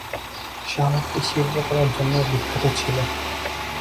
শহরটি শিল্পকলার জন্যও বিখ্যাত ছিল।